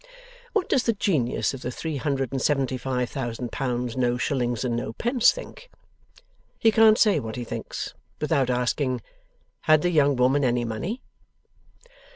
What does the Genius of the three hundred and seventy five thousand pounds, no shillings, and nopence, think? He can't say what he thinks, without asking: Had the young woman any money?